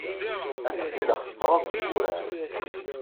Atenti la xeṣṣrent deg wurar.